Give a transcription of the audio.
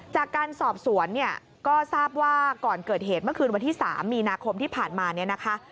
จากการสอบสวนเนี่ยก็ทราบว่าก่อนเกิดเหตุเมื่อคืนวันที่๓มีนาคมที่ผ่านมาเนี่ยนะคะ